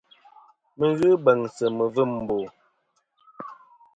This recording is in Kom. Mi ghɨ beŋsɨ mivim mbo.